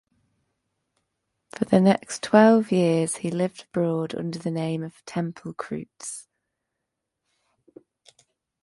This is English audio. For the next twelve years he lived abroad under the name of Tempelcreutz.